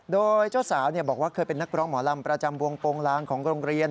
โดยเจ้าสาวได้บอกว่าเคยเป็นนักกร้องหมอลำประจำวงตรงกระงงลาง